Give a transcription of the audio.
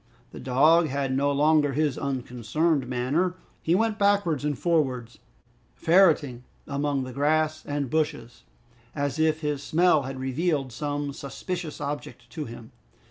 The dog had no longer his unconcerned manner; he went backwards and forwards, ferreting among the grass and bushes as if his smell had revealed some suspicious object to him.